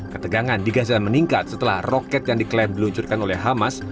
ketegangan di gaza meningkat setelah roket yang diklaim diluncurkan oleh hamas